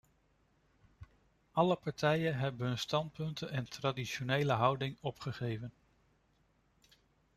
Alle partijen hebben hun standpunten en traditionele houding opgegeven.